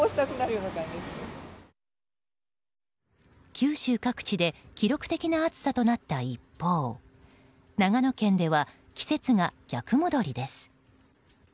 九州各地で記録的な暑さとなった一方長野県では季節が逆戻りです。